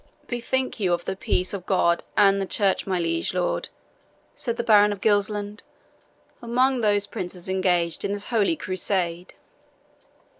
"Bethink you of the peace of God and the church, my liege lord," said the Baron of Gilsland, "among those princes engaged in this holy Crusade."